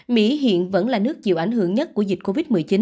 mỹ hiện vẫn là nước chịu ảnh hưởng nhất của dịch covid một mươi chín